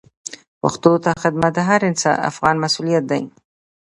پښتو ته خدمت د هر افغان مسوولیت دی.